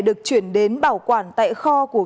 được chuyển đến bảo quản tại kho của